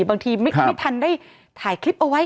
บางทีไม่ทันได้ถ่ายคลิปเอาไว้